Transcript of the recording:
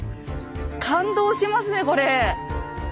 感動しますねこれ。